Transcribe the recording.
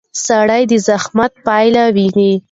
سړی د زحمت پایله ویني